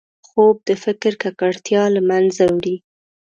خوب د فکر ککړتیا له منځه وړي